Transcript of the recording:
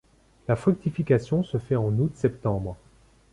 La fructification se fait en août-septembre.